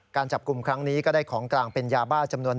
การจับกลุ่มครั้งนี้ก็ได้ของกลางเป็นยาบ้าจำนวน